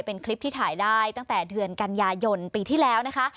เป็นคลิปที่ถ่ายได้ตั้งแต่เดือนกันยายนปีที่แล้วนะคะ